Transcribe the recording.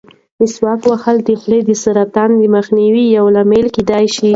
مسواک وهل د خولې د سرطان د مخنیوي یو لامل کېدای شي.